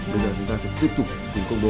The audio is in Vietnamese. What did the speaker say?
bây giờ chúng ta sẽ tiếp tục tính công bố